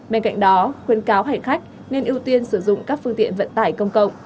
bên cạnh đó khuyên cáo hành khách nên ưu tiên sử dụng các phương tiện vận tải công cộng